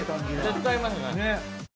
絶対合いますね。